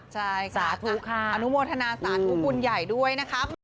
ใช่สาธุค่ะอนุโมทนาสาธุบุญใหญ่ด้วยนะครับ